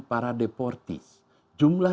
para deportis jumlah